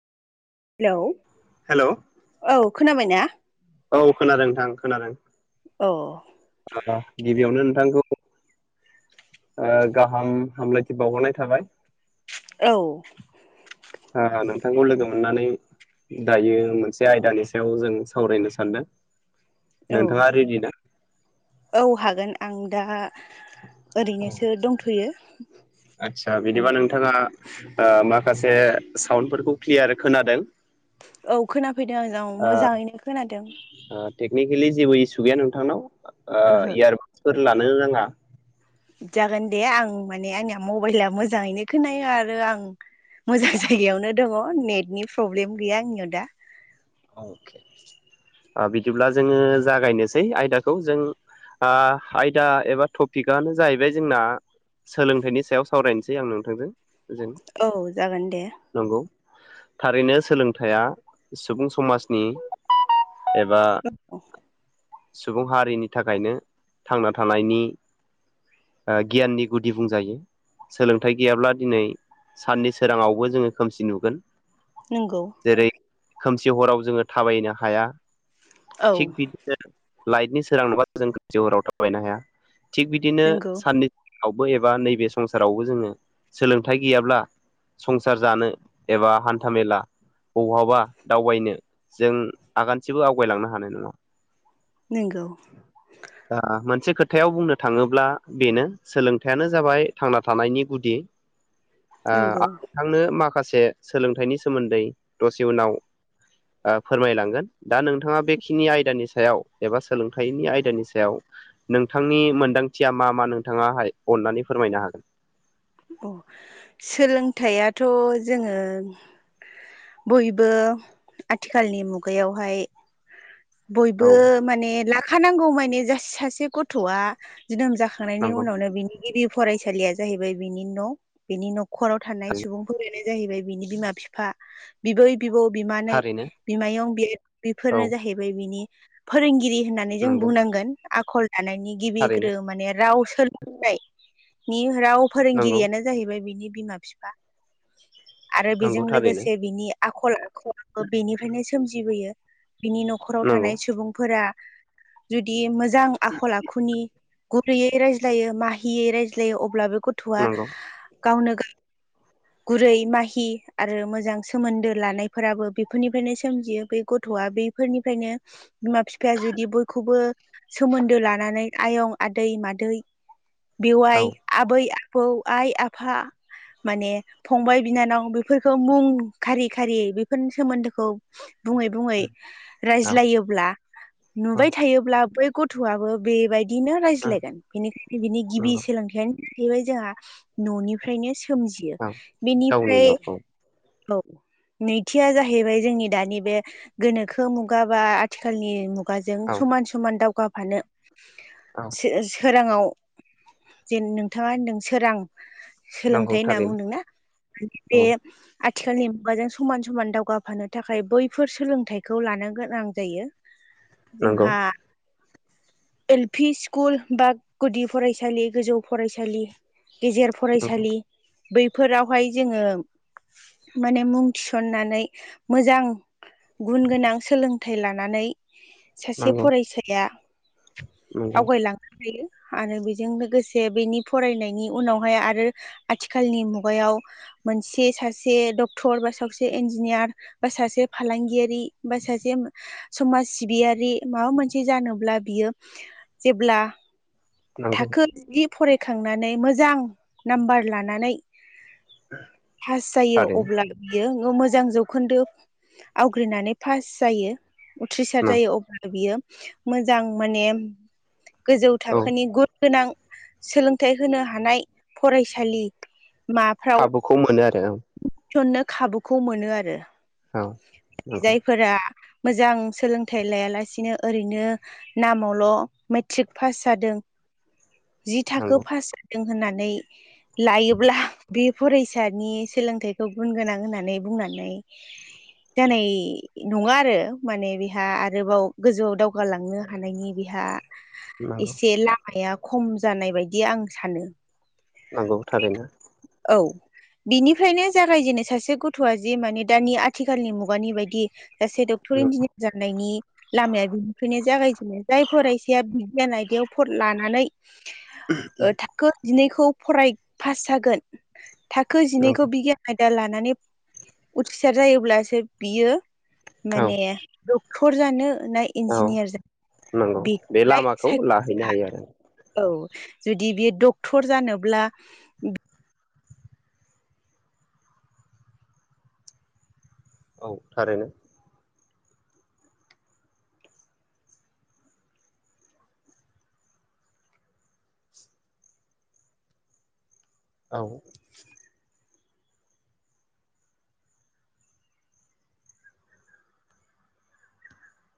Hello hello औ खोनाबाय ना औ खोनादों नोंथां खोनादों औ गिबियावनो नोंथांखौ गाहाम हामलायथि बावहरनाय थाबाय औ नोंथांखौ लोगो मोननानै दायो मोनसे आयदानि सायाव जों सावरायनो सानदों औ नोंथाङा रेडि ना? औ हागोन आं दा औ ओरैनोसो दंथ'यो आदसा बिदिबा माने नोंथाङा माखासे साउन्डफोरखौ क्लियार खोनादों औ खोनाफैदों आजों मोजाङैनो खोनादों टेकनिकेलि जेबो इसु गैया नोंथांनाव ओहो इयारफनफोर लानो नाङा जागोन दे आं माने आंनिया मबाइला मोजाङैनो खोनायो आरो आं मोजां जायगायावनो दङ नेटनि प्रब्लेम गैया आंनियाव दा के बिदिब्ला जोङो जागायनोसै आयदाखौ जों अ आयदा एबा टपिकआनो जाहैबाय जोंना सोलोंथाइनि सायाव सावरायनोसै आं नोंथांजों जों औ जागोन दे नंगौ थारैनो सोलोंथाइया सुबुं समाजनि एबा औ सुबुं हारिनि थाखायनो थांना थानायनि ओ गियाननि गुदि बुंजायो सोलोंथाइ गैयाब्ला दिनै साननि सोराङावबो जोङो खोमसि नुगोन नोंगौ जेरै खोमसि हराव जोङो थाबायनो हाया औ थिग बि [unintelligible] लाइटनि सोरां नडाबा जों खोमसि हराव थाबायनो हाया थिग बिदिनो नंगौ साननि रावबो एबा नैबे संसारावबो जोङो सोलोंथाइ गैयाब्ला संसार जानो एबा हान्था मेला बहाबा दावबायनो जों आगानसेबो आवगायलांनो हानाय नङा। नोंगौ [inaudible] ओ मोनसे खोथायाव बुंनो थाङोब्ला बेनो सोलोंथाइयानो जाबाय थांना थानायनि गुदि। ओ नंगौ आं नोंथांनो माखासे सोलोंथाइनि सोमोन्दै दसे उनाव ओ फोरमाय लांगोन दा नोंथाङा बेखिनि आयदानि सायाव एबा सोलोंथाइनि आयदानि सायाव नोंथांनि मोनदांथिया मा मा नोंथाङाहाय अननानै फोरमायनो हागोन अ सोलोंथाइयाथ' जोङो बयबो आथिखालनि मुगायावहाय बयबो औ माने लाखानांगौ माने जा सासे गथ'आ जोनोम जा खांनायनि नंगौ उनावनो बिनि गिबि फरायसालिया जाहैबाय बिनि न' बिनि नखराव थानाय सुबुंफोरानो जाहैबाय बिनि बिमा फिफा बिबै बिबौ बिमानै थारैनो बिमायं बि औ बिफोरनो जाहैबाय बिनि फोरोंगिरि होनना नै जों नंगौ बुंनांगोन आखल दानायनि गिबि थारैनो ग्रो माने राव सो लोंनाय निहोराव राव नंगौ फोरोंगिरियानो जाहैबाय बिनि बिमा बिफा। आरो नंगौ बेजों थारैनो लोगोसे बिनि आखल आखुबो बेनिफ्रायनो सोमजिबोयो। बिनि नखराव नंगौ थानाय सुबुंफोरा जुदि मोजां आखल आखुनि गुरैयै रायज्लायो माहियै रायज्लायो अब्ला बे गथ'आ नंगौ गावनो गाव [inaudible] गुरै माहि आरो मोजां सोमोन्दो लानायफोराबो बेफोरनिफ्रायनो सोमजियो बै गथ'आ बै फोरनिफ्रायनो बिमा बिफाया जुदि बयखौबो सोमोन्दो लानानै आयं आदै मादै औ बेवाइ आबै आबौ आइ आफा माने फंबाय बिनानाव बेफोरखौ मुं खारि खारि बेफोरनि सोमोन्दोखौ बुङै बुङै [inaudible] रायज्लायोब्ला औ नुबाय थायोब्ला बै गथ'आबो बे बाय दिनो रायज्लायगोन बेनिखायनो बिनि गिबि नंगौ सोलोंथाइयानो जाहैबाय जोंहा न'निफ्रायनो सोमजियो औ गावनि बेनिफ्राय न'खौ औ नैथिया जाहैबाय जोंनि दानि बे गोनोखो मुगा बा आथिखालनि मुगाजों औ समान समान दावगाफानो औ सो सोराङाव जेन नोंथाङा होनदों सोरां नंगौ सोलोंथाइ होनना थारैनो बुंदोंना माने बे औ आथिखालनि मुगाजों समान समान दावगाफानो थाखाय बैफोर सोलों थाइखौ लानो गोनां जायो नंगौ जोंहा एल पि स्कुल बा गुदि फरायसालि गोजौ फरायसालि गेजेर नंगौ फरायसालि बैफोरावहाय जोङो माने मुं थिसननानै मोजां गुन गोनां सोलोंथाइ लानानै सासे नंगौ फरायसाया नंगौ आवगायलाङो आवगायो आरो बेजों लोगोसे बेनि फरायनायनि उनावहाय आरो आथिखालनि मुगायाव मोनसे सासे डक्टर बा सासे इन्जिनियार बा सासे फालांगिया रि सासे समाज सिबियारि माबा मोनसे जानोब्ला बियो जेब्ला नंगौ थाखो जि फरायखांनानै मोजां नाम्बार लानानै पास जायो थारैनो अब्ला बियो मोजां जौखोन्दो आव ग्रिनानै फास जायो उथ्रिसार जायो अब्ला बियो मोजां माने गोजौ औ थाखोनि गुन गोनां सोलोंथाइ होनो हानाय फरायसालि माफ्राव खौ मोनो आरो ओं थिसननो खाबुखौ मोनो आरो औ नंगौ जायफोरा मोजां सोलोंथाइ लायालासिनो ओरैनो नामावल' मेथ्रिक फास जादों जि थाखो नंगौ फास जादों होननानै लायोब्ला बे फरायसानि सोलोंथाइखौ गुन गोनां होननानै बुंनानै दोनै नङा आरो माने बेहा आरोबाव गोजौआव दावगालांनो हानायनि बेहा नंगौ इसे लामाया खम जानाय बायदि आं सानो नंगौ थारैनो औ बिनिफ्रायनो जागायजेनो सासे गथ'आ जि माने दानि आथिखालनि मुगानि बायदि गासै डख्थर, इन्जिनियार जा नायनि लामाया बेनिफ्रायनो जागायजेनो जाय फरायसाया बिगियान आयदायाव फ लानानै ओ थाखो जिनैखौ फराय फास जागोन थाखो जिनैखौ नंगौ बिगियान आयदा लानानै उथ्रिसार जायोब्लासो बियो औ माने डक्टर जानो ना औ इन्जिनियार जानो बेखौहाय सायख' थाहैनो हायो आरो औ जुदि बियो डक्टर जानोब्ला औ थारैनो औ